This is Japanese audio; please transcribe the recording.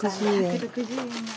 １６０円。